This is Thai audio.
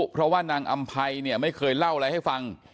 เพราะว่านางอำภัยเนี่ยไม่เคยเล่าอะไรให้ฟัง